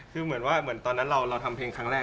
คือเหมือนว่าเหมือนตอนนั้นเราทำเพลงครั้งแรก